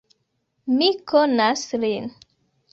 Mi konas lin!